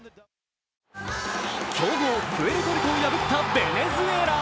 強豪・プエルトリコを破ったベネズエラ。